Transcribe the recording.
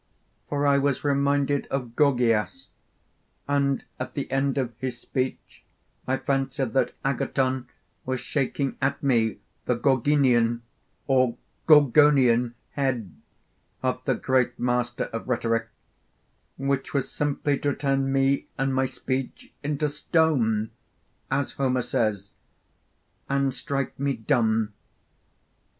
For I was reminded of Gorgias, and at the end of his speech I fancied that Agathon was shaking at me the Gorginian or Gorgonian head of the great master of rhetoric, which was simply to turn me and my speech into stone, as Homer says (Odyssey), and strike me dumb.